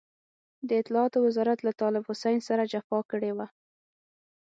د اطلاعاتو وزارت له طالب حسين سره جفا کړې وه.